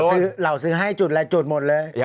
เราซื้อให้จุดอะไรจุดหมดเลย